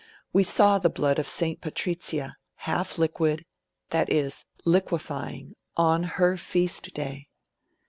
We saw the blood of St Patrizia, half liquid; i.e. liquefying, on her feast day.